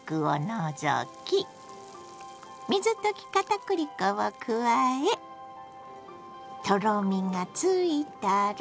水溶き片栗粉を加えとろみがついたら。